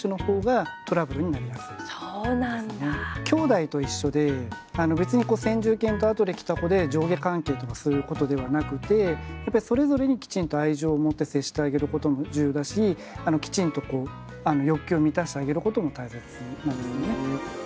兄弟と一緒で別に先住犬と後で来た子で上下関係とかそういうことではなくてそれぞれにきちんと愛情を持って接してあげることも重要だしきちんと欲求を満たしてあげることも大切なんですね。